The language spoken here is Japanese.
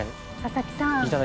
佐々木さん